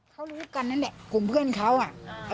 เขารู้กันนั่นแหละกลุ่มเพื่อนเขาอ่ะ